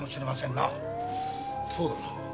そうだな。